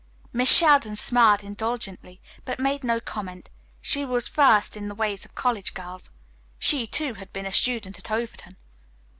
Miss Sheldon smiled indulgently, but made no comment. She was versed in the ways of college girls. She, too, had been a student at Overton.